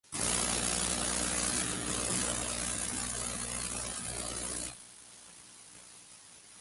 Todos ellos de la escena hardcore punk estadounidense.